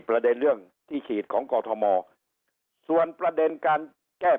ประเด็นเรื่องที่ฉีดของกอทมส่วนประเด็นการแก้